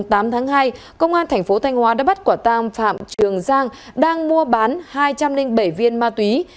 ngày tám tháng hai công an thành phố thanh hóa đã bắt quả tang phạm trường giang đang mua bán hai trăm linh bảy viên ma túy